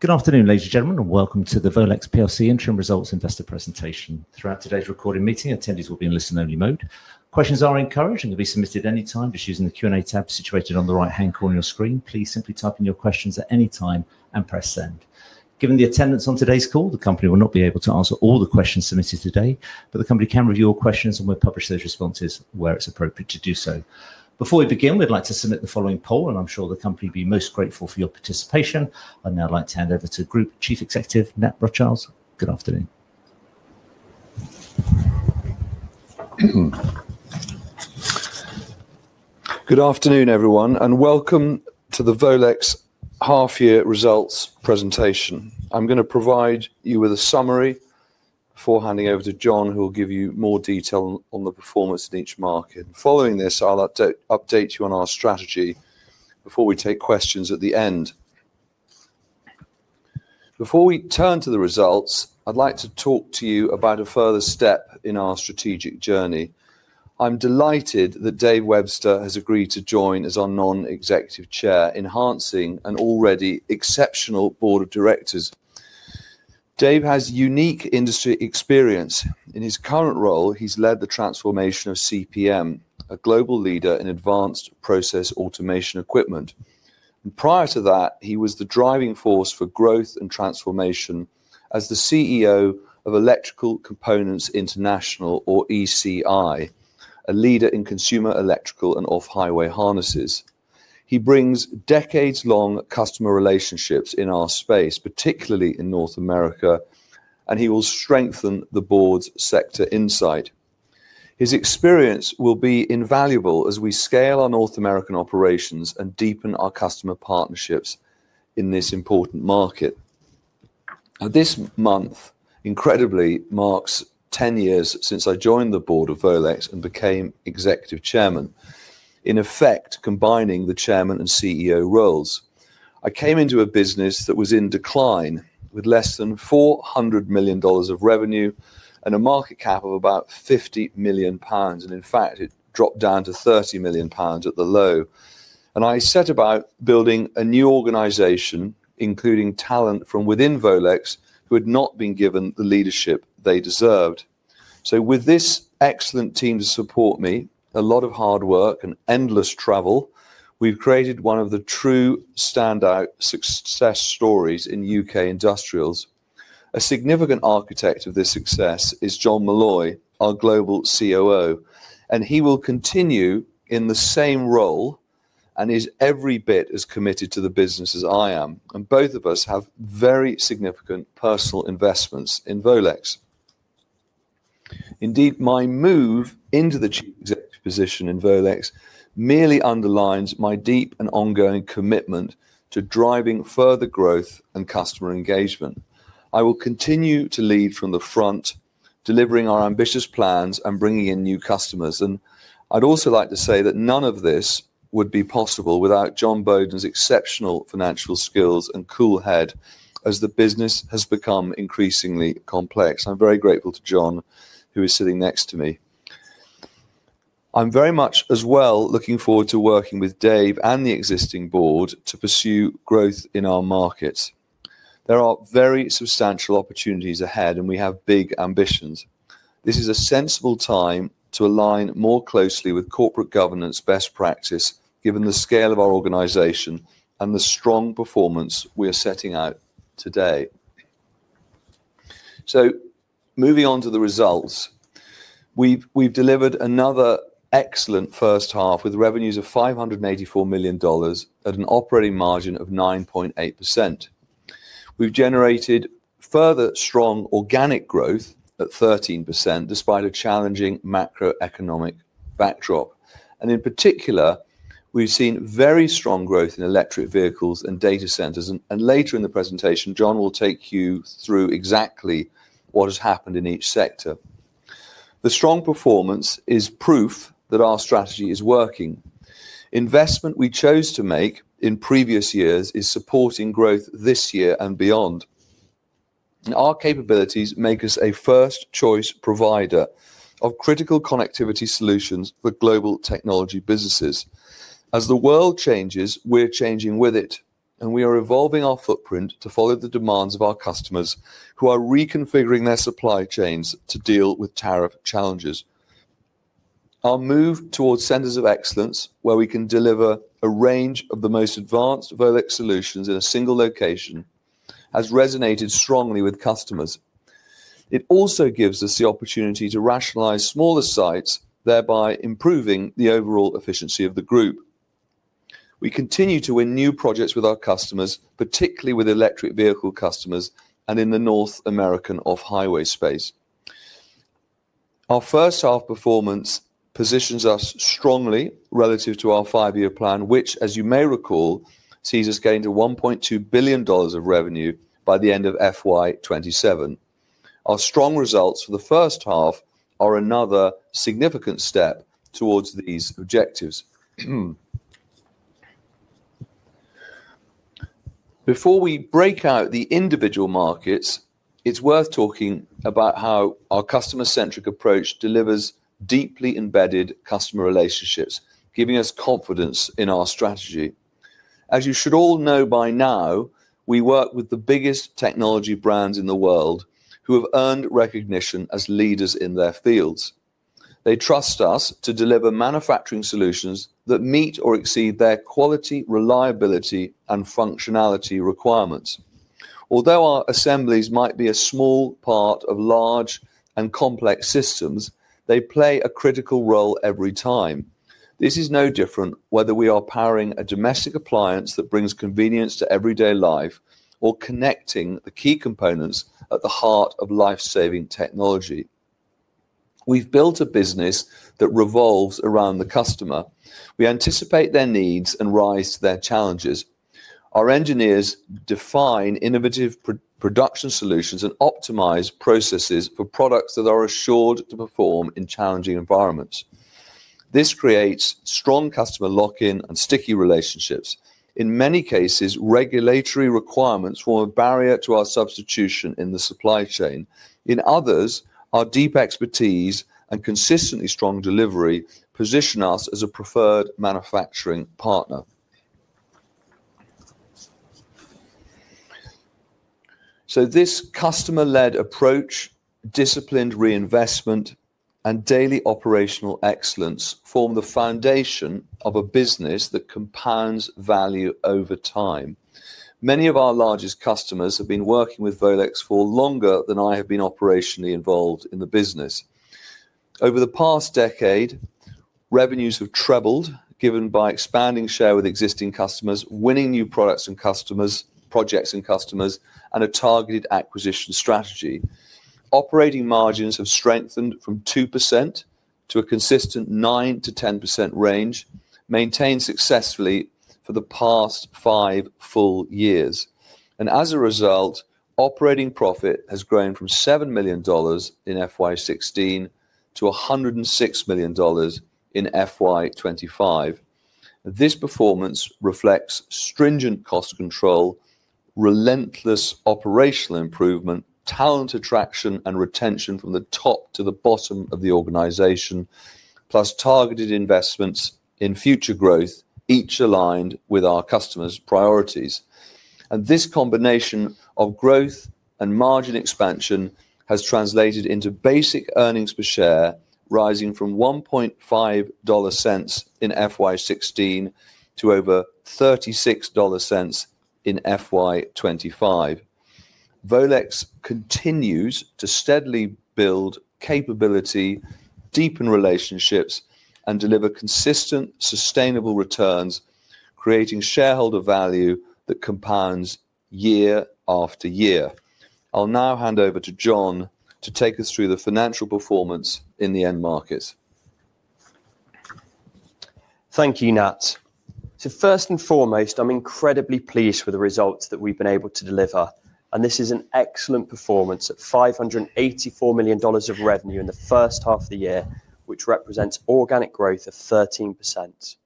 Good afternoon, ladies and gentlemen, and welcome to the Volex plc interim results investor presentation. Throughout today's recorded meeting, attendees will be in listen-only mode. Questions are encouraged and can be submitted at any time just using the Q&A tab situated on the right-hand corner of your screen. Please simply type in your questions at any time and press send. Given the attendance on today's call, the company will not be able to answer all the questions submitted today, but the company can review your questions, and we'll publish those responses where it's appropriate to do so. Before we begin, we'd like to submit the following poll, and I'm sure the company will be most grateful for your participation. I'd now like to hand over to Group Chief Executive Nat Rothschild. Good afternoon. Good afternoon, everyone, and welcome to the Volex half-year results presentation. I'm going to provide you with a summary before handing over to Jon, who will give you more detail on the performance in each market. Following this, I'll update you on our strategy before we take questions at the end. Before we turn to the results, I'd like to talk to you about a further step in our strategic journey. I'm delighted that Dave Webster has agreed to join as our non-executive chair, enhancing an already exceptional board of directors. Dave has unique industry experience. In his current role, he's led the transformation of CPM, a global leader in advanced process automation equipment. Prior to that, he was the driving force for growth and transformation as the CEO of Electrical Components International, or ECI, a leader in consumer electrical and off-highway harnesses. He brings decades-long customer relationships in our space, particularly in North America, and he will strengthen the board's sector insight. His experience will be invaluable as we scale our North American operations and deepen our customer partnerships in this important market. This month, incredibly, marks 10 years since I joined the board of Volex and became executive chairman, in effect combining the chairman and CEO roles. I came into a business that was in decline with less than $400 million of revenue and a market cap of about 50 million pounds, and in fact, it dropped down to 30 million pounds at the low. I set about building a new organization, including talent from within Volex who had not been given the leadership they deserved. With this excellent team to support me, a lot of hard work, and endless travel, we've created one of the true standout success stories in U.K. industrials. A significant architect of this success is Jon Malloy, our Global COO, and he will continue in the same role and is every bit as committed to the business as I am. Both of us have very significant personal investments in Volex. Indeed, my move into the Chief Executive position in Volex merely underlines my deep and ongoing commitment to driving further growth and customer engagement. I will continue to lead from the front, delivering our ambitious plans and bringing in new customers. I'd also like to say that none of this would be possible without Jon Bowden's exceptional financial skills and cool head as the business has become increasingly complex. I'm very grateful to Jon, who is sitting next to me. I'm very much as well looking forward to working with Dave and the existing board to pursue growth in our markets. There are very substantial opportunities ahead, and we have big ambitions. This is a sensible time to align more closely with corporate governance best practice, given the scale of our organization and the strong performance we are setting out today. Moving on to the results, we've delivered another excellent first half with revenues of $584 million at an operating margin of 9.8%. We've generated further strong organic growth at 13% despite a challenging macroeconomic backdrop. In particular, we've seen very strong growth in electric vehicles and data centers. Later in the presentation, Jon will take you through exactly what has happened in each sector. The strong performance is proof that our strategy is working. Investment we chose to make in previous years is supporting growth this year and beyond. Our capabilities make us a first-choice provider of critical connectivity solutions for global technology businesses. As the world changes, we're changing with it, and we are evolving our footprint to follow the demands of our customers who are reconfiguring their supply chains to deal with tariff challenges. Our move towards centers of excellence where we can deliver a range of the most advanced Volex solutions in a single location has resonated strongly with customers. It also gives us the opportunity to rationalize smaller sites, thereby improving the overall efficiency of the group. We continue to win new projects with our customers, particularly with electric vehicle customers and in the North American off-highway space. Our first half performance positions us strongly relative to our five-year plan, which, as you may recall, sees us getting to $1.2 billion of revenue by the end of FY2027. Our strong results for the first half are another significant step towards these objectives. Before we break out the individual markets, it's worth talking about how our customer-centric approach delivers deeply embedded customer relationships, giving us confidence in our strategy. As you should all know by now, we work with the biggest technology brands in the world who have earned recognition as leaders in their fields. They trust us to deliver manufacturing solutions that meet or exceed their quality, reliability, and functionality requirements. Although our assemblies might be a small part of large and complex systems, they play a critical role every time. This is no different whether we are powering a domestic appliance that brings convenience to everyday life or connecting the key components at the heart of lifesaving technology. We've built a business that revolves around the customer. We anticipate their needs and rise to their challenges. Our engineers define innovative production solutions and optimize processes for products that are assured to perform in challenging environments. This creates strong customer lock-in and sticky relationships. In many cases, regulatory requirements form a barrier to our substitution in the supply chain. In others, our deep expertise and consistently strong delivery position us as a preferred manufacturing partner. This customer-led approach, disciplined reinvestment, and daily operational excellence form the foundation of a business that compounds value over time. Many of our largest customers have been working with Volex for longer than I have been operationally involved in the business. Over the past decade, revenues have trebled, given by expanding share with existing customers, winning new products and customers, projects and customers, and a targeted acquisition strategy. Operating margins have strengthened from 2% to a consistent 9%-10% range, maintained successfully for the past five full years. As a result, operating profit has grown from $7 million in FY2016 to $106 million in FY2025. This performance reflects stringent cost control, relentless operational improvement, talent attraction, and retention from the top to the bottom of the organization, plus targeted investments in future growth, each aligned with our customers' priorities. This combination of growth and margin expansion has translated into basic earnings per share rising from $1.50 in FY2016 to over $36 in FY2025. Volex continues to steadily build capability, deepen relationships, and deliver consistent, sustainable returns, creating shareholder value that compounds year after year. I'll now hand over to Jon to take us through the financial performance in the end markets. Thank you, Nat. First and foremost, I'm incredibly pleased with the results that we've been able to deliver. This is an excellent performance at $584 million of revenue in the first half of the year, which represents organic growth of 13%.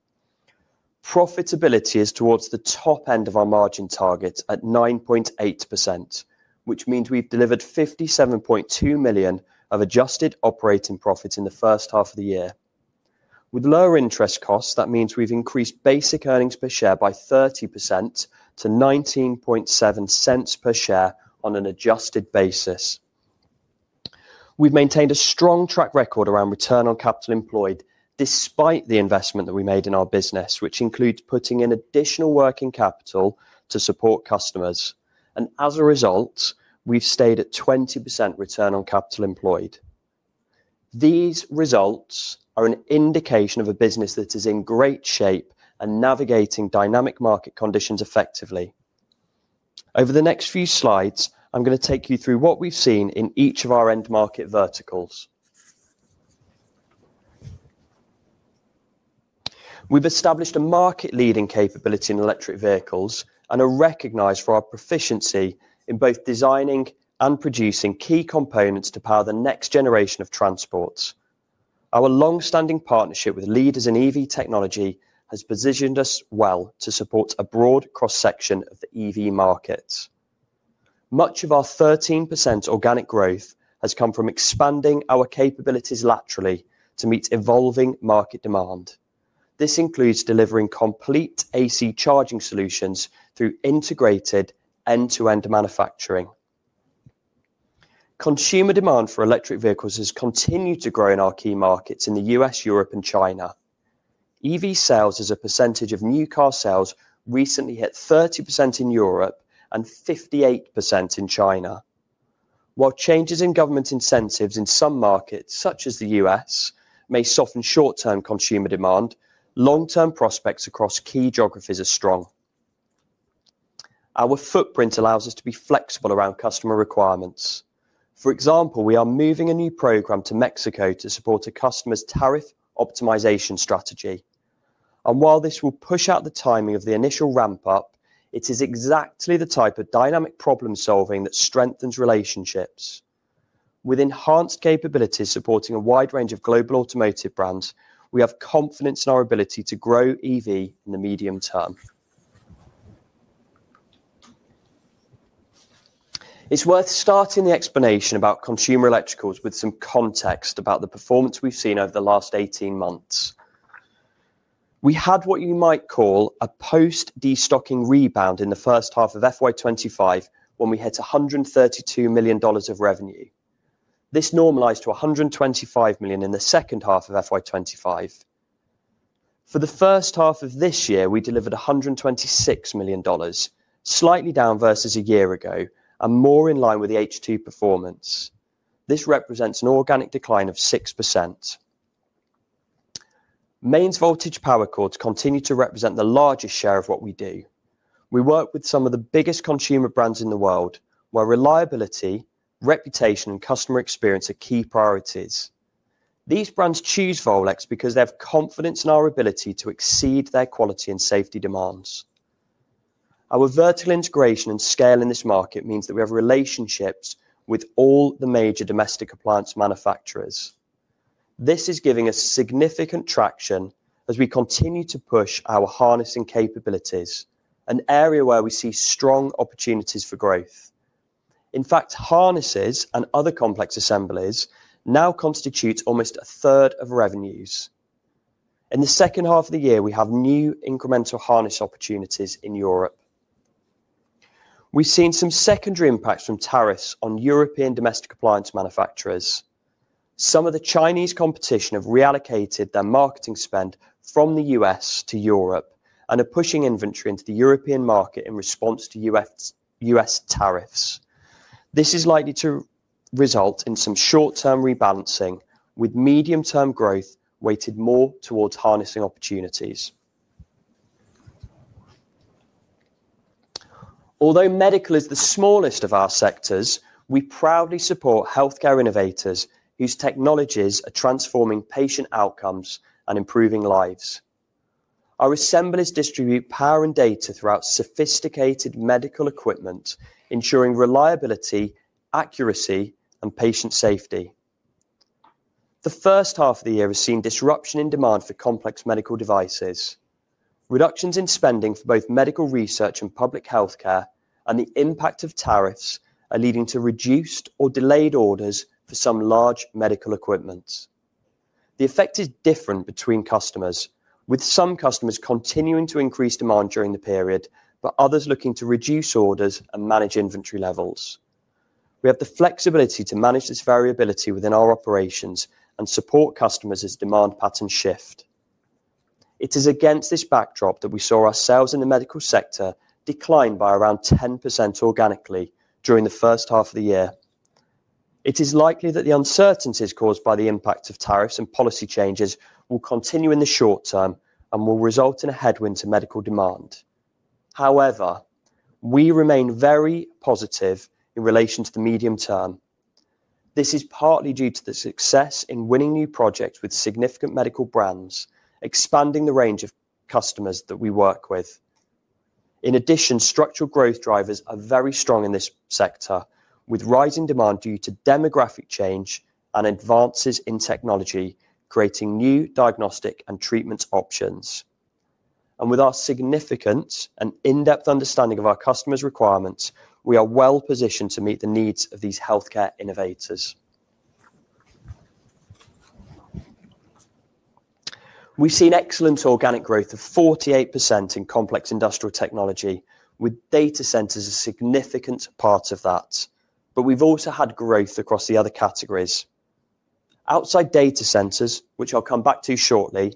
Profitability is towards the top end of our margin targets at 9.8%, which means we've delivered $57.2 million of adjusted operating profits in the first half of the year. With lower interest costs, that means we've increased basic earnings per share by 30% to $19.70 per share on an adjusted basis. We've maintained a strong track record around return on capital employed despite the investment that we made in our business, which includes putting in additional working capital to support customers. As a result, we've stayed at 20% return on capital employed. These results are an indication of a business that is in great shape and navigating dynamic market conditions effectively. Over the next few slides, I'm going to take you through what we've seen in each of our end market verticals. We've established a market-leading capability in electric vehicles and are recognized for our proficiency in both designing and producing key components to power the next generation of transports. Our long-standing partnership with leaders in EV technology has positioned us well to support a broad cross-section of the EV markets. Much of our 13% organic growth has come from expanding our capabilities laterally to meet evolving market demand. This includes delivering complete AC charging solutions through integrated end-to-end manufacturing. Consumer demand for electric vehicles has continued to grow in our key markets in the U.S., Europe, and China. EV sales as a percentage of new car sales recently hit 30% in Europe and 58% in China. While changes in government incentives in some markets, such as the U.S., may soften short-term consumer demand, long-term prospects across key geographies are strong. Our footprint allows us to be flexible around customer requirements. For example, we are moving a new program to Mexico to support a customer's tariff optimization strategy. While this will push out the timing of the initial ramp-up, it is exactly the type of dynamic problem-solving that strengthens relationships. With enhanced capabilities supporting a wide range of global automotive brands, we have confidence in our ability to grow EV in the medium term. It is worth starting the explanation about consumer electricals with some context about the performance we have seen over the last 18 months. We had what you might call a post-de-stocking rebound in the first half of FY2025 when we hit $132 million of revenue. This normalized to $125 million in the second half of FY2025. For the first half of this year, we delivered $126 million, slightly down versus a year ago and more in line with the H2 performance. This represents an organic decline of 6%. Mains Voltage Power Cords continue to represent the largest share of what we do. We work with some of the biggest consumer brands in the world, where reliability, reputation, and customer experience are key priorities. These brands choose Volex because they have confidence in our ability to exceed their quality and safety demands. Our vertical integration and scale in this market means that we have relationships with all the major domestic appliance manufacturers. This is giving us significant traction as we continue to push our harnessing capabilities, an area where we see strong opportunities for growth. In fact, harnesses and other complex assemblies now constitute almost a third of revenues. In the second half of the year, we have new incremental harness opportunities in Europe. We've seen some secondary impacts from tariffs on European domestic appliance manufacturers. Some of the Chinese competition have reallocated their marketing spend from the U.S. to Europe and are pushing inventory into the European market in response to U.S. tariffs. This is likely to result in some short-term rebalancing, with medium-term growth weighted more towards harnessing opportunities. Although medical is the smallest of our sectors, we proudly support healthcare innovators whose technologies are transforming patient outcomes and improving lives. Our assemblies distribute power and data throughout sophisticated medical equipment, ensuring reliability, accuracy, and patient safety. The first half of the year has seen disruption in demand for complex medical devices. Reductions in spending for both medical research and public healthcare and the impact of tariffs are leading to reduced or delayed orders for some large medical equipment. The effect is different between customers, with some customers continuing to increase demand during the period, but others looking to reduce orders and manage inventory levels. We have the flexibility to manage this variability within our operations and support customers as demand patterns shift. It is against this backdrop that we saw our sales in the medical sector decline by around 10% organically during the first half of the year. It is likely that the uncertainties caused by the impact of tariffs and policy changes will continue in the short term and will result in a headwind to medical demand. However, we remain very positive in relation to the medium term. This is partly due to the success in winning new projects with significant medical brands, expanding the range of customers that we work with. In addition, structural growth drivers are very strong in this sector, with rising demand due to demographic change and advances in technology creating new diagnostic and treatment options. With our significant and in-depth understanding of our customers' requirements, we are well positioned to meet the needs of these healthcare innovators. We've seen excellent organic growth of 48% in complex industrial technology, with data centers a significant part of that. We've also had growth across the other categories. Outside data centers, which I'll come back to shortly,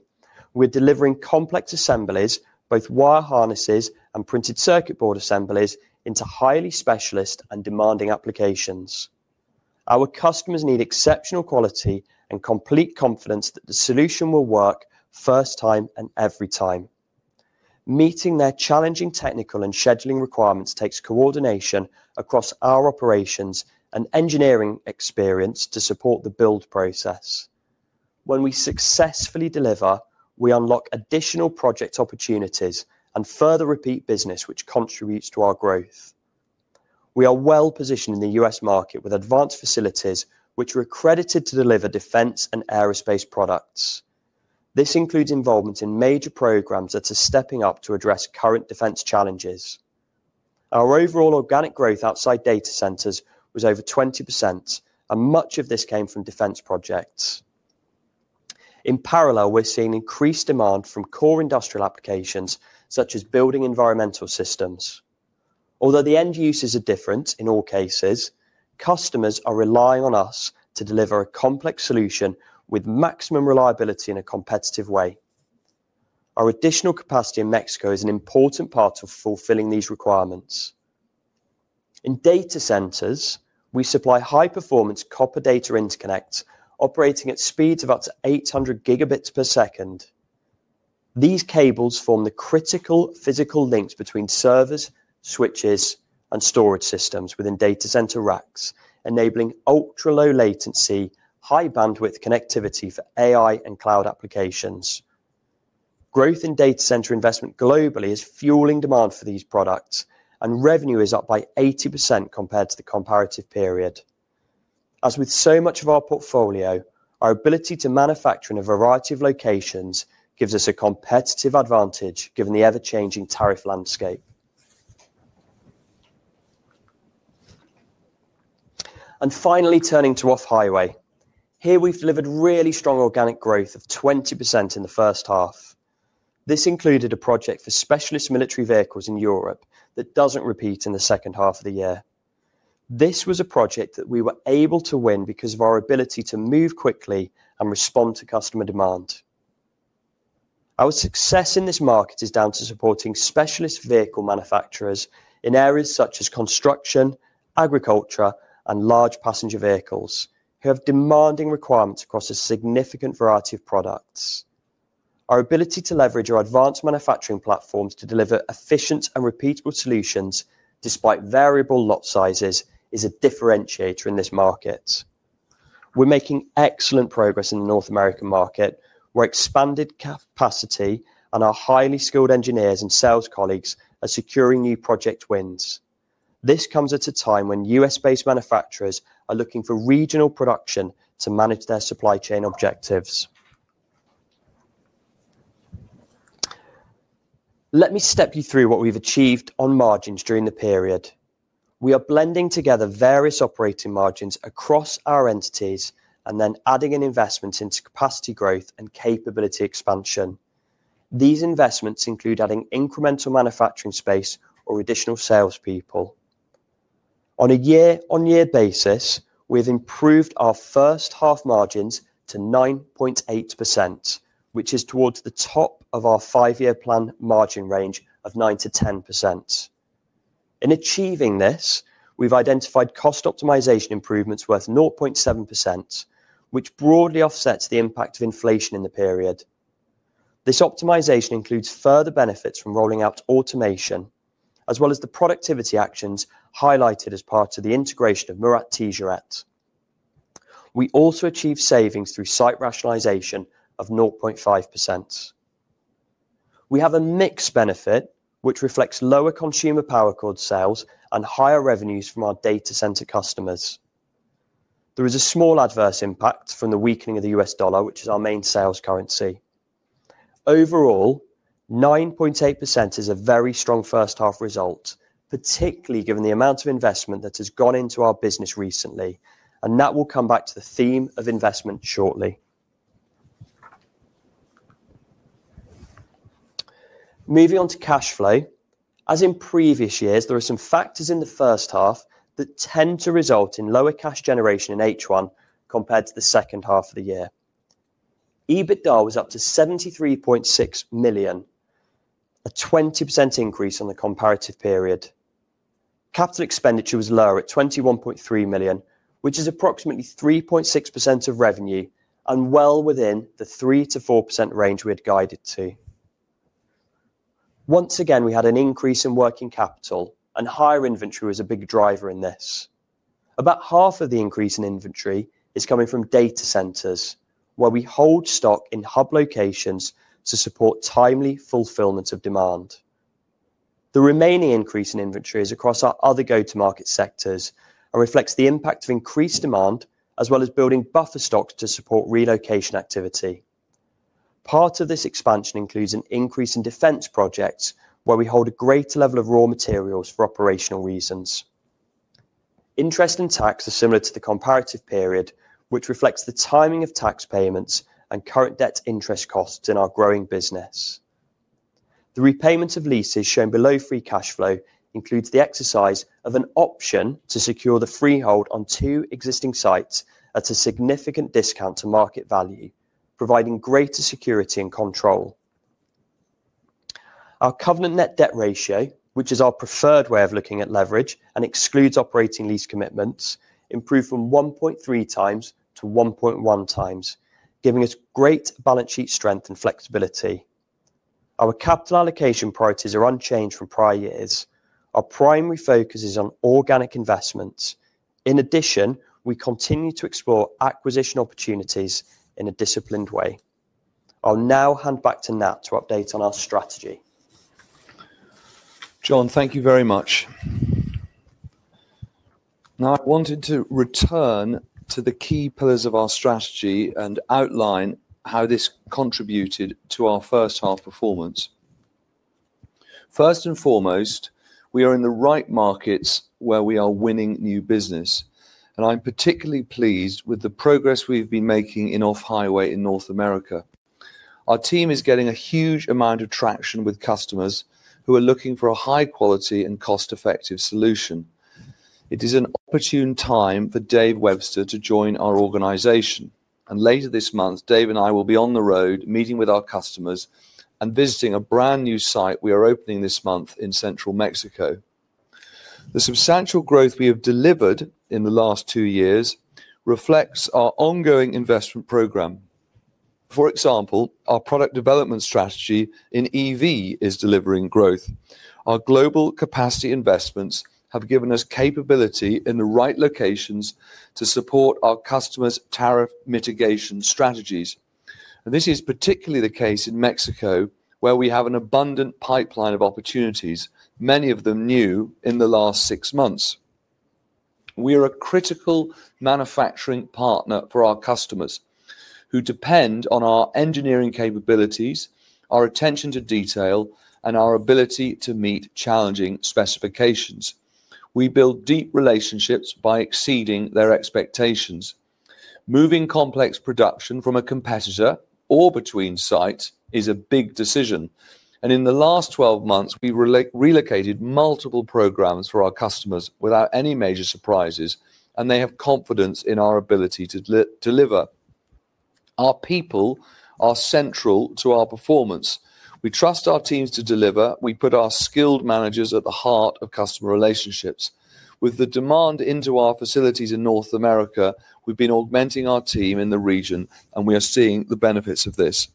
we're delivering complex assemblies, both wire harnesses and printed circuit board assemblies, into highly specialized and demanding applications. Our customers need exceptional quality and complete confidence that the solution will work first time and every time. Meeting their challenging technical and scheduling requirements takes coordination across our operations and engineering experience to support the build process. When we successfully deliver, we unlock additional project opportunities and further repeat business, which contributes to our growth. We are well positioned in the U.S. market with advanced facilities, which are accredited to deliver defense and aerospace products. This includes involvement in major programs that are stepping up to address current defense challenges. Our overall organic growth outside data centers was over 20%, and much of this came from defense projects. In parallel, we're seeing increased demand from core industrial applications such as building environmental systems. Although the end uses are different in all cases, customers are relying on us to deliver a complex solution with maximum reliability in a competitive way. Our additional capacity in Mexico is an important part of fulfilling these requirements. In data centers, we supply high-performance copper data interconnects operating at speeds of up to 800 gigabits per second. These cables form the critical physical links between servers, switches, and storage systems within data center racks, enabling ultra-low-latency, high-bandwidth connectivity for AI and cloud applications. Growth in data center investment globally is fueling demand for these products, and revenue is up by 80% compared to the comparative period. As with so much of our portfolio, our ability to manufacture in a variety of locations gives us a competitive advantage given the ever-changing tariff landscape. Finally, turning to off-highway, here we've delivered really strong organic growth of 20% in the first half. This included a project for specialist military vehicles in Europe that does not repeat in the second half of the year. This was a project that we were able to win because of our ability to move quickly and respond to customer demand. Our success in this market is down to supporting specialist vehicle manufacturers in areas such as construction, agriculture, and large passenger vehicles, who have demanding requirements across a significant variety of products. Our ability to leverage our advanced manufacturing platforms to deliver efficient and repeatable solutions despite variable lot sizes is a differentiator in this market. We're making excellent progress in the North American market, where expanded capacity and our highly skilled engineers and sales colleagues are securing new project wins. This comes at a time when U.S.-based manufacturers are looking for regional production to manage their supply chain objectives. Let me step you through what we've achieved on margins during the period. We are blending together various operating margins across our entities and then adding an investment into capacity growth and capability expansion. These investments include adding incremental manufacturing space or additional salespeople. On a year-on-year basis, we've improved our first half margins to 9.8%, which is towards the top of our five-year plan margin range of 9-10%. In achieving this, we've identified cost optimization improvements worth 0.7%, which broadly offsets the impact of inflation in the period. This optimization includes further benefits from rolling out automation, as well as the productivity actions highlighted as part of the integration of Murat Ticaret. We also achieve savings through site rationalization of 0.5%. We have a mixed benefit, which reflects lower consumer power cord sales and higher revenues from our data center customers. There is a small adverse impact from the weakening of the U.S. dollar, which is our main sales currency. Overall, 9.8% is a very strong first-half result, particularly given the amount of investment that has gone into our business recently, and that will come back to the theme of investment shortly. Moving on to cash flow, as in previous years, there are some factors in the first half that tend to result in lower cash generation in H1 compared to the second half of the year. EBITDA was up to $73.6 million, a 20% increase on the comparative period. Capital expenditure was lower at $21.3 million, which is approximately 3.6% of revenue and well within the 3-4% range we had guided to. Once again, we had an increase in working capital, and higher inventory was a big driver in this. About half of the increase in inventory is coming from data centers, where we hold stock in hub locations to support timely fulfillment of demand. The remaining increase in inventory is across our other go-to-market sectors and reflects the impact of increased demand, as well as building buffer stocks to support relocation activity. Part of this expansion includes an increase in defense projects, where we hold a greater level of raw materials for operational reasons. Interest and tax are similar to the comparative period, which reflects the timing of tax payments and current debt interest costs in our growing business. The repayment of leases shown below free cash flow includes the exercise of an option to secure the freehold on two existing sites at a significant discount to market value, providing greater security and control. Our covenant net debt ratio, which is our preferred way of looking at leverage and excludes operating lease commitments, improved from 1.3 times to 1.1 times, giving us great balance sheet strength and flexibility. Our capital allocation priorities are unchanged from prior years. Our primary focus is on organic investments. In addition, we continue to explore acquisition opportunities in a disciplined way. I'll now hand back to Nat to update on our strategy. Jon, thank you very much. I wanted to return to the key pillars of our strategy and outline how this contributed to our first-half performance. First and foremost, we are in the right markets where we are winning new business, and I'm particularly pleased with the progress we've been making in off-highway in North America. Our team is getting a huge amount of traction with customers who are looking for a high-quality and cost-effective solution. It is an opportune time for Dave Webster to join our organization. Later this month, Dave and I will be on the road, meeting with our customers and visiting a brand new site we are opening this month in Central Mexico. The substantial growth we have delivered in the last two years reflects our ongoing investment program. For example, our product development strategy in EV is delivering growth. Our global capacity investments have given us capability in the right locations to support our customers' tariff mitigation strategies. This is particularly the case in Mexico, where we have an abundant pipeline of opportunities, many of them new in the last six months. We are a critical manufacturing partner for our customers who depend on our engineering capabilities, our attention to detail, and our ability to meet challenging specifications. We build deep relationships by exceeding their expectations. Moving complex production from a competitor or between sites is a big decision. In the last 12 months, we have relocated multiple programs for our customers without any major surprises, and they have confidence in our ability to deliver. Our people are central to our performance. We trust our teams to deliver. We put our skilled managers at the heart of customer relationships. With the demand into our facilities in North America, we've been augmenting our team in the region, and we are seeing the benefits of this.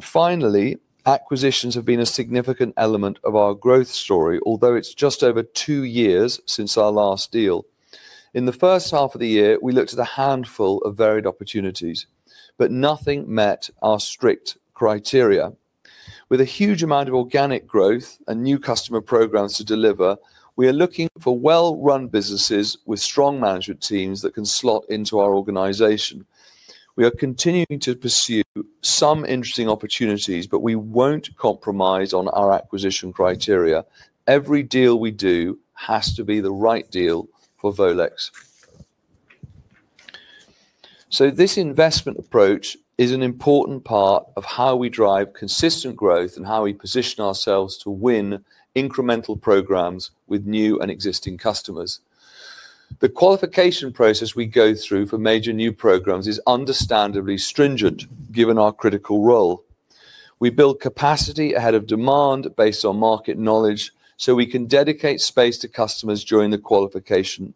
Finally, acquisitions have been a significant element of our growth story, although it is just over two years since our last deal. In the first half of the year, we looked at a handful of varied opportunities, but nothing met our strict criteria. With a huge amount of organic growth and new customer programs to deliver, we are looking for well-run businesses with strong management teams that can slot into our organization. We are continuing to pursue some interesting opportunities, but we will not compromise on our acquisition criteria. Every deal we do has to be the right deal for Volex. This investment approach is an important part of how we drive consistent growth and how we position ourselves to win incremental programs with new and existing customers. The qualification process we go through for major new programs is understandably stringent, given our critical role. We build capacity ahead of demand based on market knowledge so we can dedicate space to customers during the qualification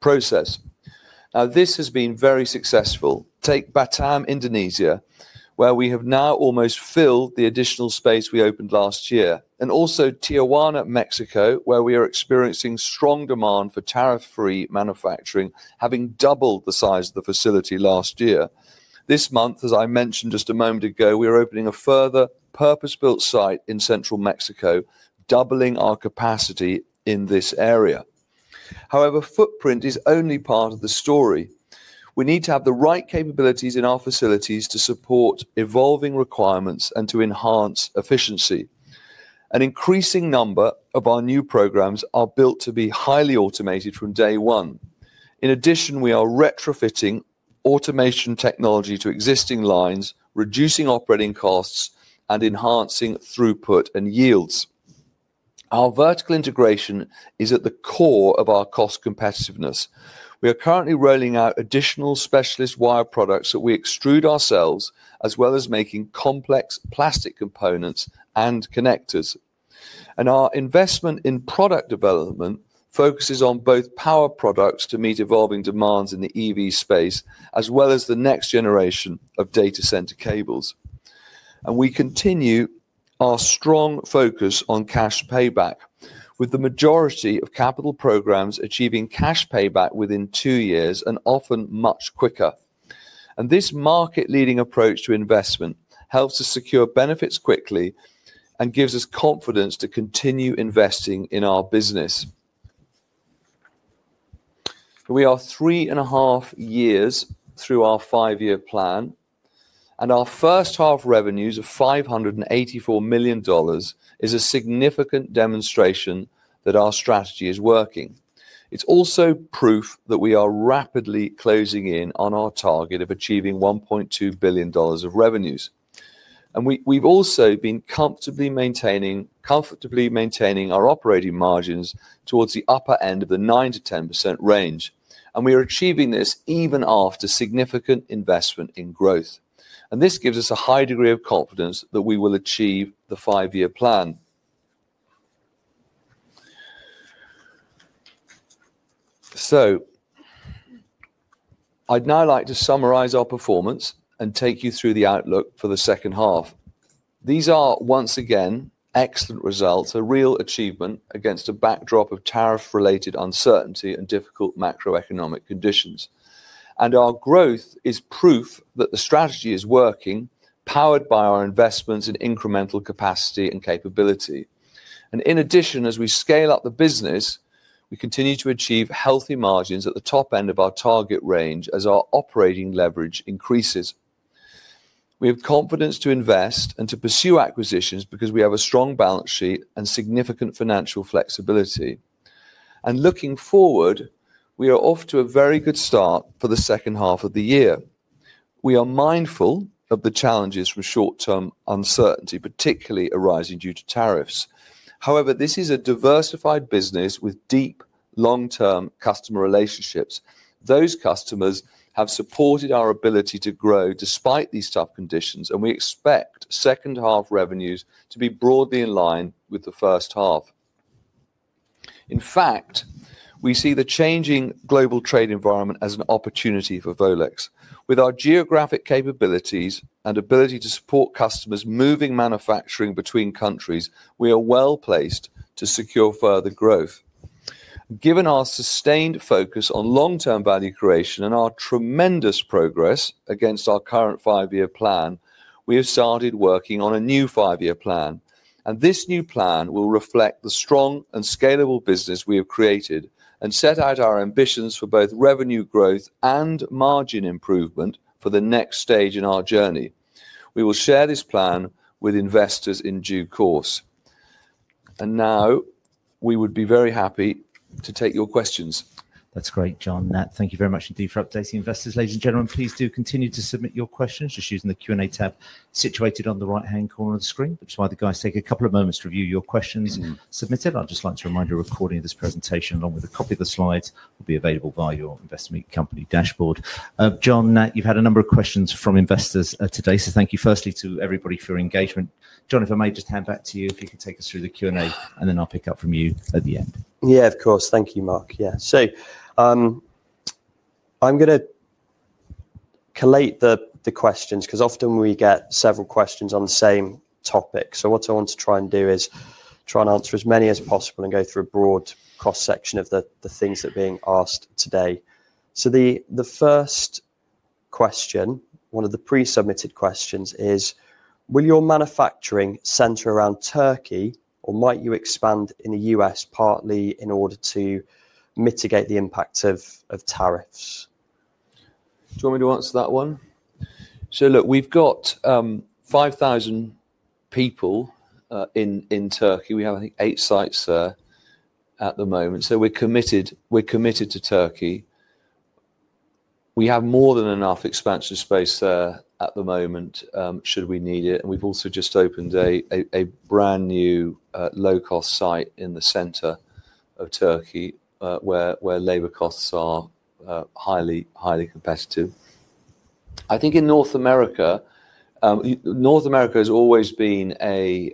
process. This has been very successful. Take Batam, Indonesia, where we have now almost filled the additional space we opened last year. Also Tijuana, Mexico, where we are experiencing strong demand for tariff-free manufacturing, having doubled the size of the facility last year. This month, as I mentioned just a moment ago, we are opening a further purpose-built site in Central Mexico, doubling our capacity in this area. However, footprint is only part of the story. We need to have the right capabilities in our facilities to support evolving requirements and to enhance efficiency. An increasing number of our new programs are built to be highly automated from day one. In addition, we are retrofitting automation technology to existing lines, reducing operating costs and enhancing throughput and yields. Our vertical integration is at the core of our cost competitiveness. We are currently rolling out additional specialist wire products that we extrude ourselves, as well as making complex plastic components and connectors. Our investment in product development focuses on both power products to meet evolving demands in the EV space, as well as the next generation of data center cables. We continue our strong focus on cash payback, with the majority of capital programs achieving cash payback within two years and often much quicker. This market-leading approach to investment helps us secure benefits quickly and gives us confidence to continue investing in our business. We are three and a half years through our five-year plan, and our first half revenues of $584 million is a significant demonstration that our strategy is working. It is also proof that we are rapidly closing in on our target of achieving $1.2 billion of revenues. We have also been comfortably maintaining our operating margins towards the upper end of the 9-10% range. We are achieving this even after significant investment in growth. This gives us a high degree of confidence that we will achieve the five-year plan. I would now like to summarize our performance and take you through the outlook for the second half. These are, once again, excellent results, a real achievement against a backdrop of tariff-related uncertainty and difficult macroeconomic conditions. Our growth is proof that the strategy is working, powered by our investments in incremental capacity and capability. In addition, as we scale up the business, we continue to achieve healthy margins at the top end of our target range as our operating leverage increases. We have confidence to invest and to pursue acquisitions because we have a strong balance sheet and significant financial flexibility. Looking forward, we are off to a very good start for the second half of the year. We are mindful of the challenges from short-term uncertainty, particularly arising due to tariffs. However, this is a diversified business with deep long-term customer relationships. Those customers have supported our ability to grow despite these tough conditions, and we expect second-half revenues to be broadly in line with the first half. In fact, we see the changing global trade environment as an opportunity for Volex. With our geographic capabilities and ability to support customers moving manufacturing between countries, we are well placed to secure further growth. Given our sustained focus on long-term value creation and our tremendous progress against our current five-year plan, we have started working on a new five-year plan. This new plan will reflect the strong and scalable business we have created and set out our ambitions for both revenue growth and margin improvement for the next stage in our journey. We will share this plan with investors in due course. We would be very happy to take your questions. That's great, Jon. Nat, thank you very much indeed for updating investors. Ladies and gentlemen, please do continue to submit your questions just using the Q&A tab situated on the right-hand corner of the screen. That's while the guys take a couple of moments to review your questions submitted. I'd just like to remind you a recording of this presentation, along with a copy of the slides, will be available via your Investment Company dashboard. Jon, Nat, you've had a number of questions from investors today, so thank you firstly to everybody for your engagement. Jonathan, may I just hand back to you if you can take us through the Q&A, and then I'll pick up from you at the end. Yeah, of course. Thank you, Mark. Yeah. I'm going to collate the questions because often we get several questions on the same topic. What I want to try and do is try and answer as many as possible and go through a broad cross-section of the things that are being asked today. The first question, one of the pre-submitted questions, is, will your manufacturing center around Turkey, or might you expand in the US partly in order to mitigate the impact of tariffs? Do you want me to answer that one? Look, we've got 5,000 people in Turkey. We have, I think, eight sites there at the moment. We are committed to Turkey. We have more than enough expansion space there at the moment should we need it. We have also just opened a brand new low-cost site in the center of Turkey where labor costs are highly competitive. I think in North America, North America has always been a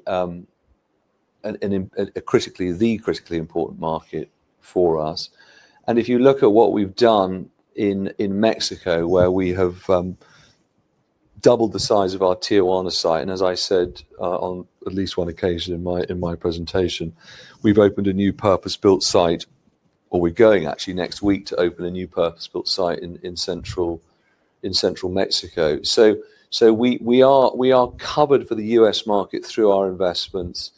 critically, the critically important market for us. If you look at what we have done in Mexico, where we have doubled the size of our Tijuana site, and as I said on at least one occasion in my presentation, we have opened a new purpose-built site, or we are going actually next week to open a new purpose-built site in Central Mexico. We are covered for the U.S. market through our investments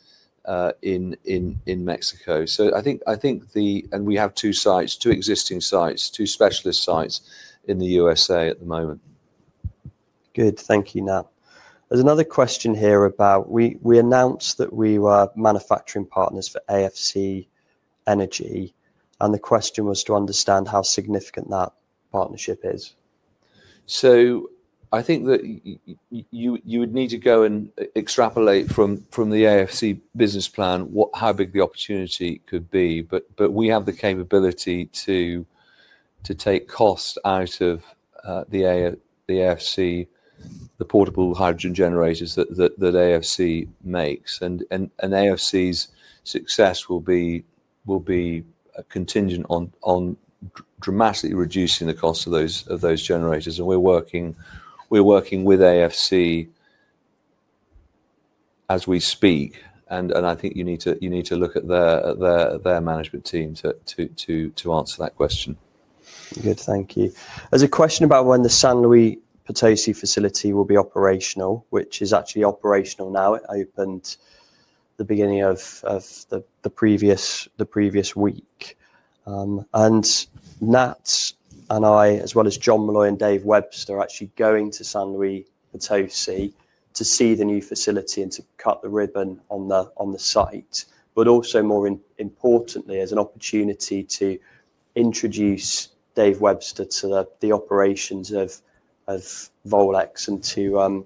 in Mexico. I think the, and we have two sites, two existing sites, two specialist sites in the U.S. at the moment. Good. Thank you, Nat. There's another question here about, we announced that we were manufacturing partners for AFC Energy, and the question was to understand how significant that partnership is. I think that you would need to go and extrapolate from the AFC business plan how big the opportunity could be. We have the capability to take cost out of the AFC, the portable hydrogen generators that AFC makes. AFC's success will be contingent on dramatically reducing the cost of those generators. We are working with AFC as we speak. I think you need to look at their management team to answer that question. Good. Thank you. There is a question about when the San Luis Potosi facility will be operational, which is actually operational now. It opened the beginning of the previous week. Nat and I, as well as Jon Malloy and Dave Webster, are actually going to San Luis Potosi to see the new facility and to cut the ribbon on the site. Also, more importantly, it is an opportunity to introduce Dave Webster to the operations of Volex and to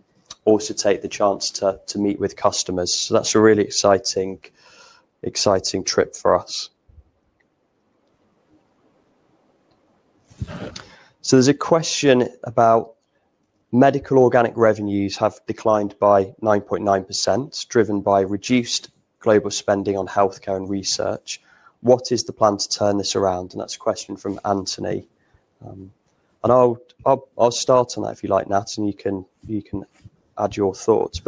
also take the chance to meet with customers. That is a really exciting trip for us. There is a question about medical organic revenues having declined by 9.9%, driven by reduced global spending on healthcare and research. What is the plan to turn this around? That is a question from Anthony. I will start on that if you like, Nat, and you can add your thoughts.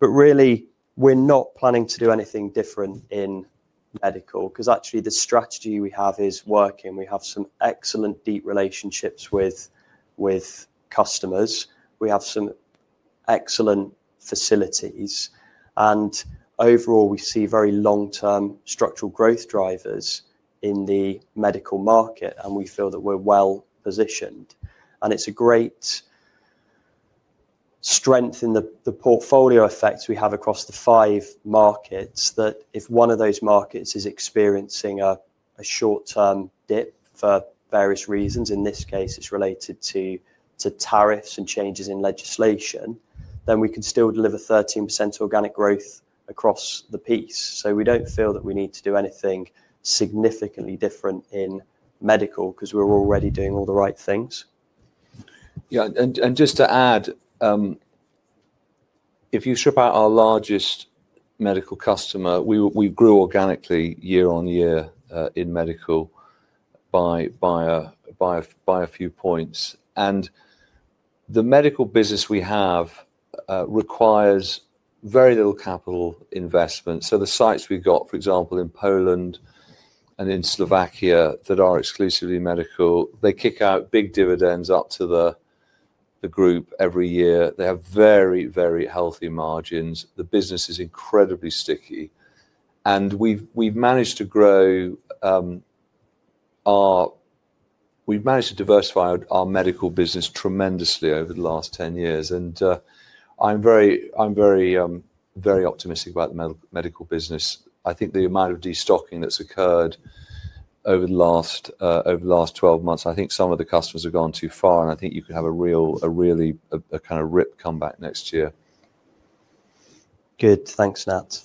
Really, we're not planning to do anything different in medical because actually the strategy we have is working. We have some excellent deep relationships with customers. We have some excellent facilities. Overall, we see very long-term structural growth drivers in the medical market, and we feel that we're well positioned. It is a great strength in the portfolio effects we have across the five markets that if one of those markets is experiencing a short-term dip for various reasons, in this case, it is related to tariffs and changes in legislation, we can still deliver 13% organic growth across the piece. We do not feel that we need to do anything significantly different in medical because we're already doing all the right things. Yeah. Just to add, if you strip out our largest medical customer, we grew organically year on year in medical by a few points. The medical business we have requires very little capital investment. The sites we have, for example, in Poland and in Slovakia that are exclusively medical, they kick out big dividends up to the group every year. They have very, very healthy margins. The business is incredibly sticky. We have managed to grow our, we have managed to diversify our medical business tremendously over the last 10 years. I am very optimistic about the medical business. I think the amount of destocking that has occurred over the last 12 months, I think some of the customers have gone too far, and I think you could have a really kind of rip come back next year. Good. Thanks, Nat.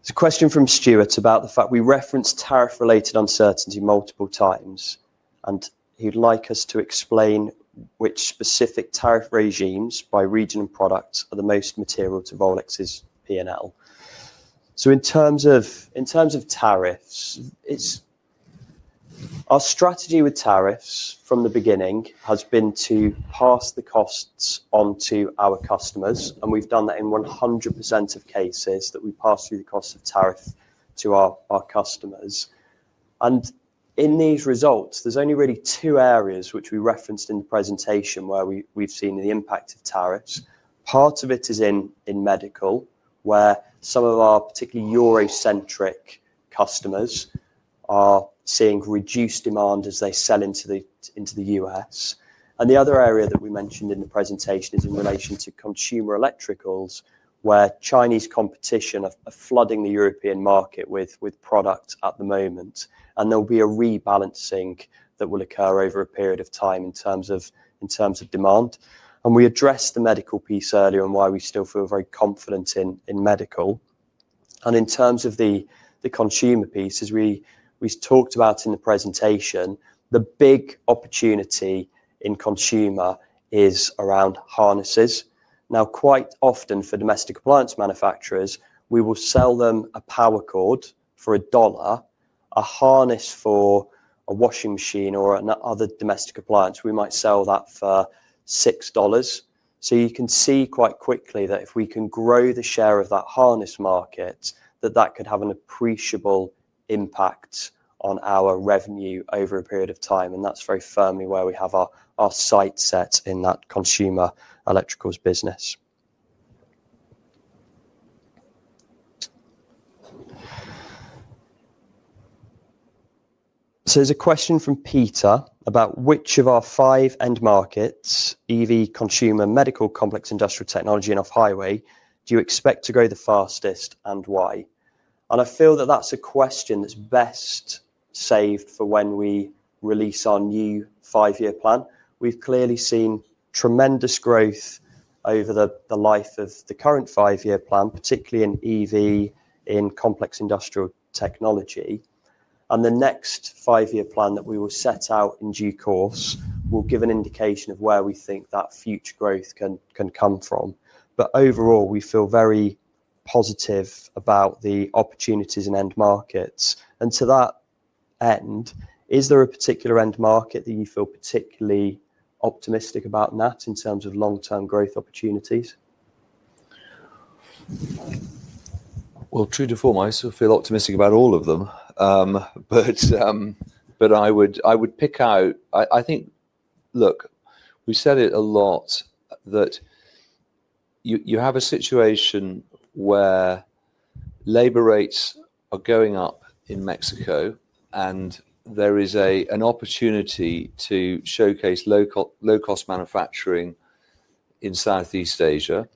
There's a question from Stuart about the fact we reference tariff-related uncertainty multiple times, and he'd like us to explain which specific tariff regimes by region and product are the most material to Volex's P&L. In terms of tariffs, our strategy with tariffs from the beginning has been to pass the costs onto our customers. We've done that in 100% of cases that we pass through the cost of tariff to our customers. In these results, there's only really two areas which we referenced in the presentation where we've seen the impact of tariffs. Part of it is in medical, where some of our particularly Eurocentric customers are seeing reduced demand as they sell into the U.S.. The other area that we mentioned in the presentation is in relation to consumer electricals, where Chinese competition are flooding the European market with product at the moment. There will be a rebalancing that will occur over a period of time in terms of demand. We addressed the medical piece earlier and why we still feel very confident in medical. In terms of the consumer piece, as we talked about in the presentation, the big opportunity in consumer is around harnesses. Quite often for domestic appliance manufacturers, we will sell them a power cord for $1, a harness for a washing machine or another domestic appliance. We might sell that for $6. You can see quite quickly that if we can grow the share of that harness market, that could have an appreciable impact on our revenue over a period of time. That is very firmly where we have our sights set in that consumer electricals business. There is a question from Peter about which of our five end markets, EV, consumer, medical, complex industrial technology, and off-highway, do you expect to grow the fastest and why? I feel that is a question that is best saved for when we release our new five-year plan. We have clearly seen tremendous growth over the life of the current five-year plan, particularly in EV and complex industrial technology. The next five-year plan that we will set out in due course will give an indication of where we think that future growth can come from. Overall, we feel very positive about the opportunities in end markets. To that end, is there a particular end market that you feel particularly optimistic about, Nat, in terms of long-term growth opportunities? True to form, I still feel optimistic about all of them. I would pick out, I think, look, we said it a lot that you have a situation where labor rates are going up in Mexico, and there is an opportunity to showcase low-cost manufacturing in Southeast Asia.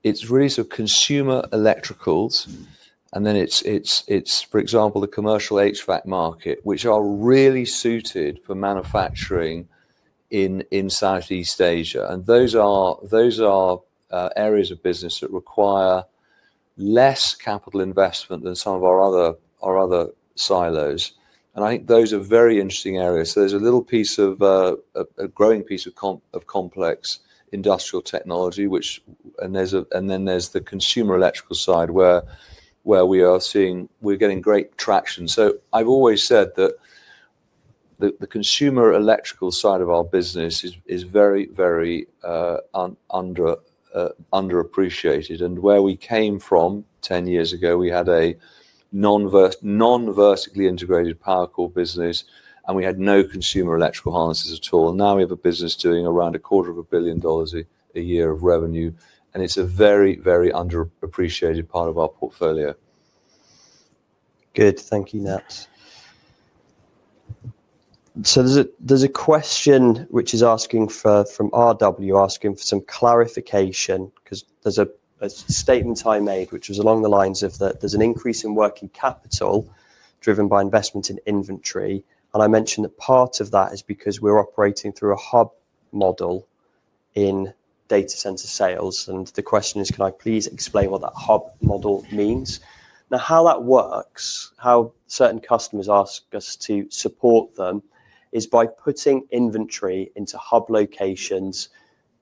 It is really sort of consumer electricals, and then it is, for example, the commercial HVAC market, which are really suited for manufacturing in Southeast Asia. Those are areas of business that require less capital investment than some of our other silos. I think those are very interesting areas. There is a little piece of a growing piece of complex industrial technology, and then there is the consumer electrical side where we are seeing we are getting great traction. I have always said that the consumer electrical side of our business is very, very underappreciated. Where we came from 10 years ago, we had a non-vertically integrated power core business, and we had no consumer electrical harnesses at all. Now we have a business doing around a quarter of a billion dollars a year of revenue. It is a very, very underappreciated part of our portfolio. Good. Thank you, Nat. There is a question which is asking from RW, asking for some clarification because there is a statement I made, which was along the lines of that there is an increase in working capital driven by investment in inventory. I mentioned that part of that is because we are operating through a hub model in data center sales. The question is, can I please explain what that hub model means? Now, how that works, how certain customers ask us to support them is by putting inventory into hub locations,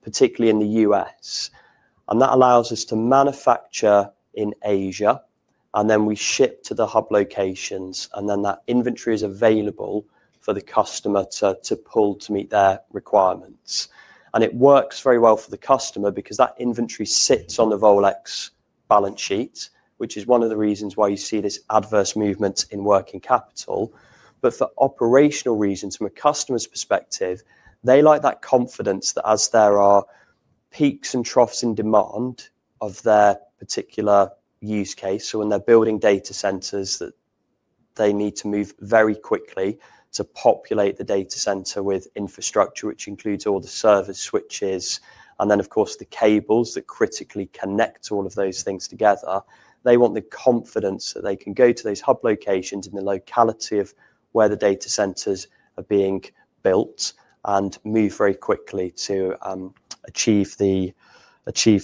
particularly in the U.S.. That allows us to manufacture in Asia, and then we ship to the hub locations, and then that inventory is available for the customer to pull to meet their requirements. It works very well for the customer because that inventory sits on the Volex balance sheet, which is one of the reasons why you see this adverse movement in working capital. For operational reasons, from a customer's perspective, they like that confidence that as there are peaks and troughs in demand of their particular use case, when they're building data centers, they need to move very quickly to populate the data center with infrastructure, which includes all the service switches, and then, of course, the cables that critically connect all of those things together. They want the confidence that they can go to those hub locations in the locality of where the data centers are being built and move very quickly to achieve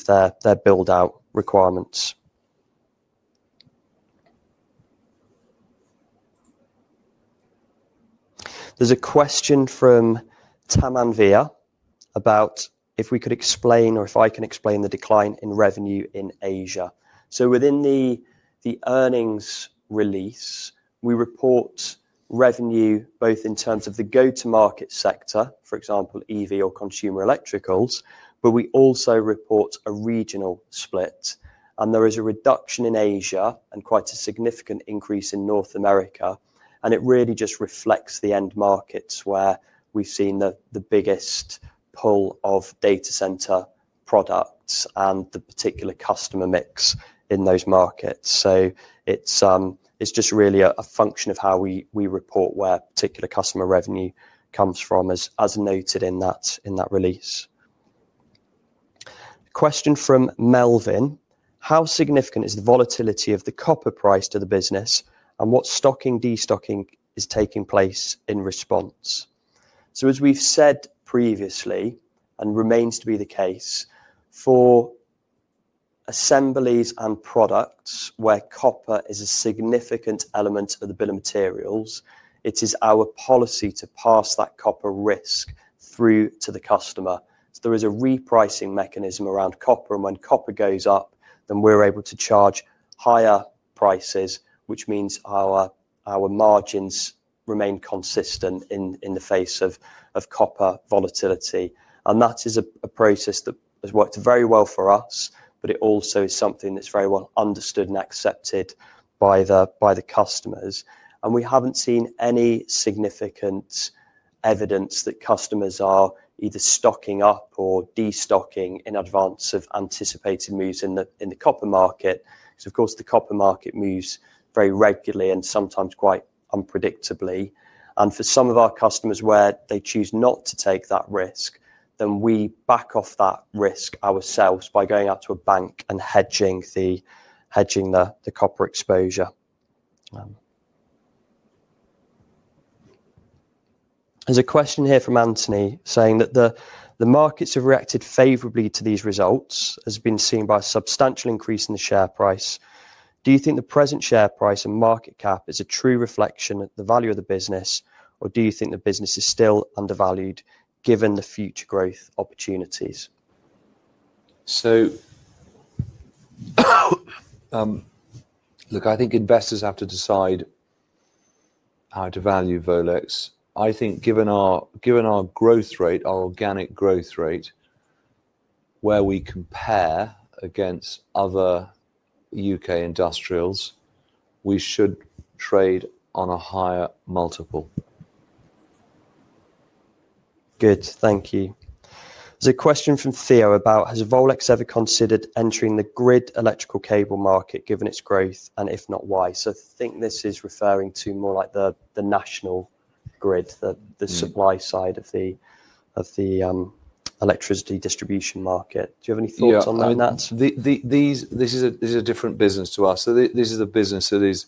their build-out requirements. There's a question from Tam Anvia about if we could explain or if I can explain the decline in revenue in Asia. Within the earnings release, we report revenue both in terms of the go-to-market sector, for example, EV or consumer electricals, but we also report a regional split. There is a reduction in Asia and quite a significant increase in North America. It really just reflects the end markets where we've seen the biggest pull of data center products and the particular customer mix in those markets. It's just really a function of how we report where particular customer revenue comes from, as noted in that release. Question from Melvin. How significant is the volatility of the copper price to the business, and what stocking destocking is taking place in response? As we've said previously, and remains to be the case, for assemblies and products where copper is a significant element of the bill of materials, it is our policy to pass that copper risk through to the customer. There is a repricing mechanism around copper. When copper goes up, then we're able to charge higher prices, which means our margins remain consistent in the face of copper volatility. That is a process that has worked very well for us, but it also is something that's very well understood and accepted by the customers. We haven't seen any significant evidence that customers are either stocking up or destocking in advance of anticipated moves in the copper market. Of course, the copper market moves very regularly and sometimes quite unpredictably. For some of our customers where they choose not to take that risk, we back off that risk ourselves by going out to a bank and hedging the copper exposure. There's a question here from Anthony saying that the markets have reacted favorably to these results, as has been seen by a substantial increase in the share price. Do you think the present share price and market cap is a true reflection of the value of the business, or do you think the business is still undervalued given the future growth opportunities? I think investors have to decide how to value Volex. I think given our growth rate, our organic growth rate, where we compare against other U.K. industrials, we should trade on a higher multiple. Good. Thank you. There is a question from Theo about, has Volex ever considered entering the grid electrical cable market given its growth, and if not, why? I think this is referring to more like the national grid, the supply side of the electricity distribution market. Do you have any thoughts on that, Nat? This is a different business to us. This is a business that is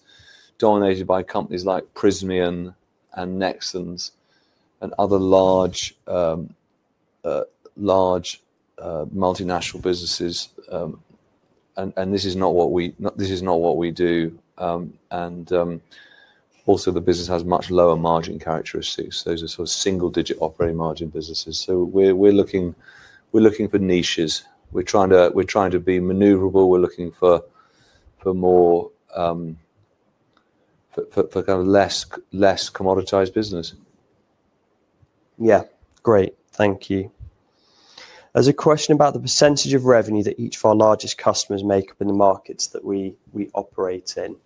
dominated by companies like Prysmian and Nexans and other large multinational businesses. This is not what we do. Also, the business has much lower margin characteristics. Those are sort of single-digit operating margin businesses. We are looking for niches. We are trying to be maneuverable. We are looking for kind of less commoditized business. Yeah. Great. Thank you. There's a question about the percentage of revenue that each of our largest customers make up in the markets that we operate in.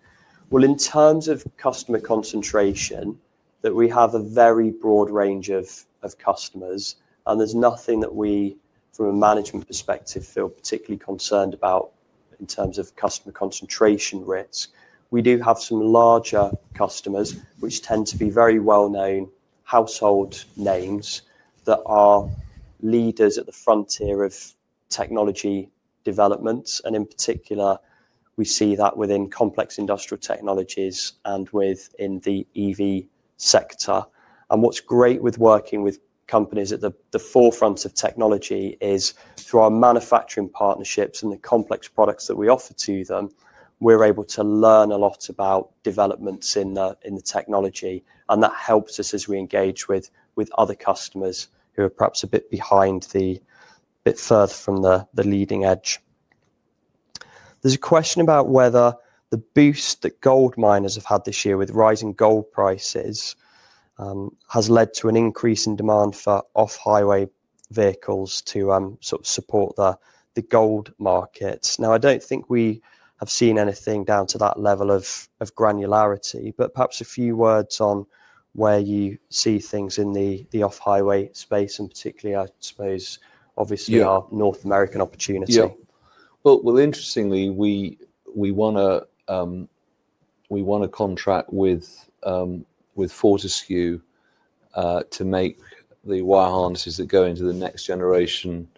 In terms of customer concentration, we have a very broad range of customers, and there's nothing that we, from a management perspective, feel particularly concerned about in terms of customer concentration risk. We do have some larger customers, which tend to be very well-known household names that are leaders at the frontier of technology developments. In particular, we see that within complex industrial technologies and within the EV sector. What's great with working with companies at the forefront of technology is through our manufacturing partnerships and the complex products that we offer to them, we're able to learn a lot about developments in the technology. That helps us as we engage with other customers who are perhaps a bit behind, a bit further from the leading edge. There is a question about whether the boost that gold miners have had this year with rising gold prices has led to an increase in demand for off-highway vehicles to sort of support the gold markets. I do not think we have seen anything down to that level of granularity, but perhaps a few words on where you see things in the off-highway space, and particularly, I suppose, obviously, our North American opportunity. Yeah. Interestingly, we want to contract with Fortescue to make the wire harnesses that go into the next generation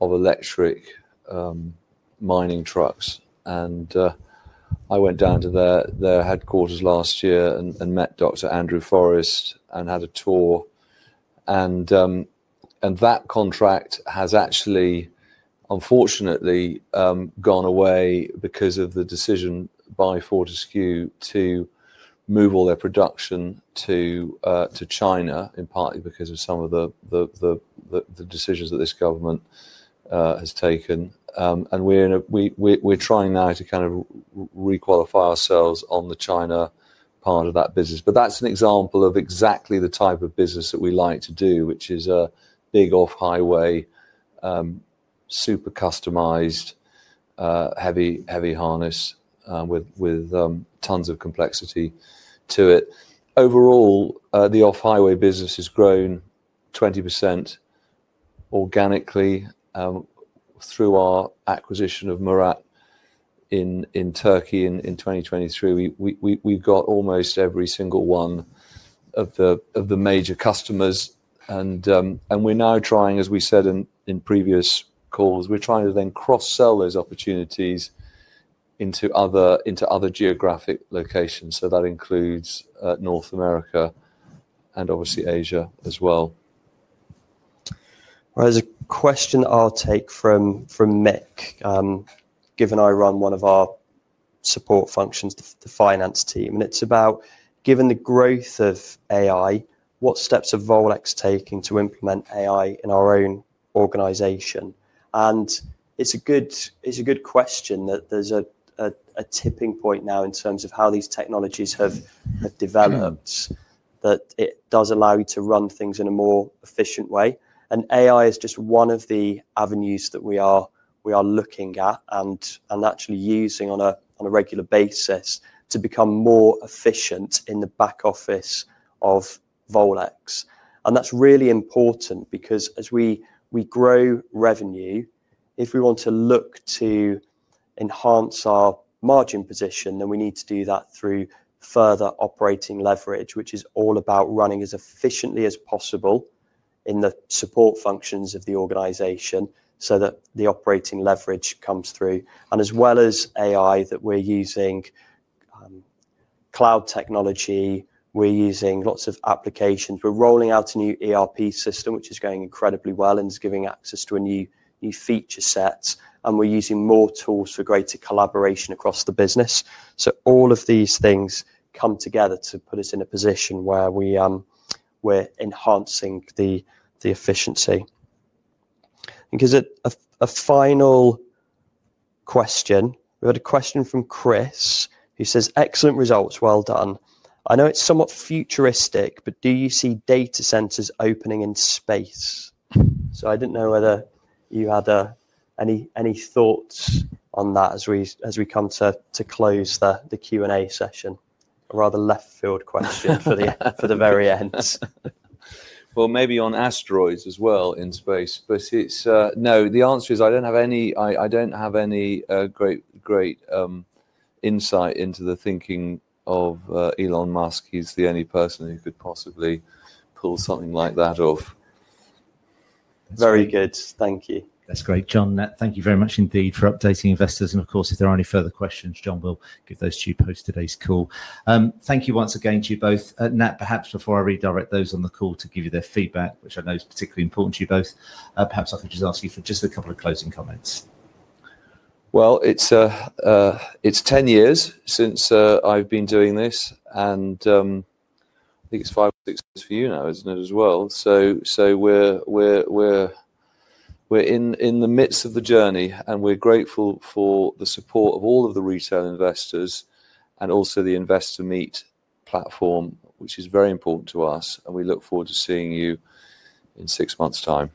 of electric mining trucks. I went down to their headquarters last year and met Dr. Andrew Forrest and had a tour. That contract has actually, unfortunately, gone away because of the decision by Fortescue to move all their production to China, partly because of some of the decisions that this government has taken. We are trying now to kind of requalify ourselves on the China part of that business. That is an example of exactly the type of business that we like to do, which is a big off-highway, super customized, heavy harness with tons of complexity to it. Overall, the off-highway business has grown 20% organically through our acquisition of Murat in Turkey in 2023. We have got almost every single one of the major customers. We're now trying, as we said in previous calls, we're trying to then cross-sell those opportunities into other geographic locations. That includes North America and obviously Asia as well. There's a question I'll take from Mick, given I run one of our support functions, the finance team. It's about, given the growth of AI, what steps are Volex taking to implement AI in our own organization? It's a good question that there's a tipping point now in terms of how these technologies have developed, that it does allow you to run things in a more efficient way. AI is just one of the avenues that we are looking at and actually using on a regular basis to become more efficient in the back office of Volex. That is really important because as we grow revenue, if we want to look to enhance our margin position, then we need to do that through further operating leverage, which is all about running as efficiently as possible in the support functions of the organization so that the operating leverage comes through. As well as AI, we are using cloud technology, we are using lots of applications. We are rolling out a new ERP system, which is going incredibly well and is giving access to a new feature set. We are using more tools for greater collaboration across the business. All of these things come together to put us in a position where we are enhancing the efficiency. A final question, we have had a question from Chris. He says, "Excellent results. Well done. I know it's somewhat futuristic, but do you see data centers opening in space? I didn't know whether you had any thoughts on that as we come to close the Q&A session. A rather left-field question for the very end. Maybe on asteroids as well in space. No, the answer is I don't have any great insight into the thinking of Elon Musk. He's the only person who could possibly pull something like that off. Very good. Thank you. That's great. Jon, thank you very much indeed for updating investors. Of course, if there are any further questions, Jon will give those to you post today's call. Thank you once again to you both. Nat, perhaps before I redirect those on the call to give you their feedback, which I know is particularly important to you both, perhaps I could just ask you for just a couple of closing comments. It is 10 years since I have been doing this. I think it is five or six years for you now, is it not, as well? We are in the midst of the journey, and we are grateful for the support of all of the retail investors and also the InvestorMeet platform, which is very important to us. We look forward to seeing you in six months' time.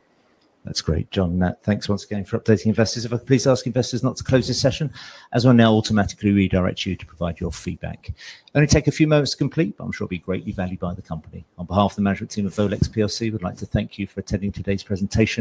That's great. Jon, Nat, thanks once again for updating investors. If I could please ask investors not to close this session, as we'll now automatically redirect you to provide your feedback. Only take a few moments to complete, but I'm sure it'll be greatly valued by the company. On behalf of the management team of Volex, we'd like to thank you for attending today's presentation.